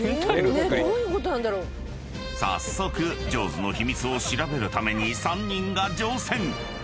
［早速ＪＡＷＳの秘密を調べるために３人が乗船］